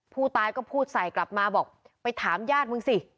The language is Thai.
ผู้ตายก็พูดใส่กลับมาบอกไปถามญาติมึงสิ